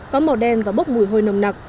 có màu đen và bốc mùi hôi nồng nặc